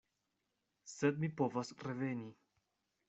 Sed mi povas reveni.